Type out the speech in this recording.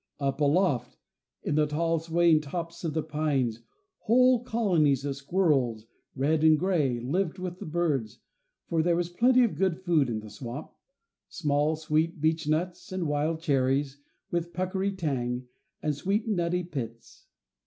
Up aloft, in the tall swaying tops of the pines, whole colonies of squirrels, red and gray, lived with the birds, for there was plenty of good food in the swamp: small, sweet beechnuts, and wild cherries with a puckery tang, and sweet nutty pits.